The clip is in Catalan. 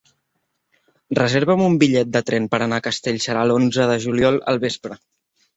Reserva'm un bitllet de tren per anar a Castellserà l'onze de juliol al vespre.